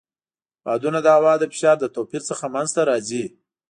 بادونه د هوا د فشار له توپیر څخه منځته راځي.